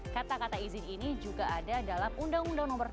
kata kata izin ini juga ada dalam undang undang nomor dua puluh tahun dua ribu tiga